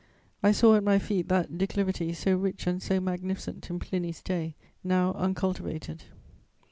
I saw at my feet that declivity, so rich and so magnificent in Pliny's day, now uncultivated."